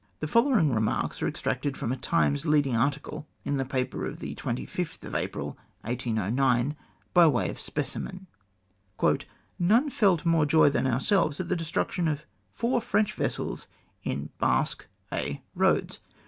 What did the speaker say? The following remarks are extracted from a Times leading article in the paper of April 25th, 1809, by way of speci men :— "None felt more joy thau ourselves at the destruction of four French vessels in Basque (Aix) Eoads.